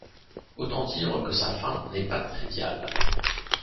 Autant dire que sa faim n'est pas triviale.